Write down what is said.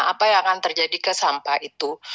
apa yang akan terjadi ke sampah itu